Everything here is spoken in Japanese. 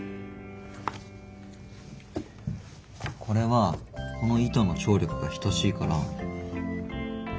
これはこの糸の張力が等しいから。